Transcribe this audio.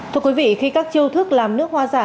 thưa quý vị khi các chiêu thức làm nước hoa giả